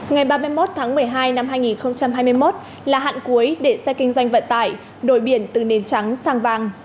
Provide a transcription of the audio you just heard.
ngày ba mươi một tháng một mươi hai năm hai nghìn hai mươi một là hạn cuối để xe kinh doanh vận tải đổi biển từ nền trắng sang vàng